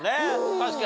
確かに。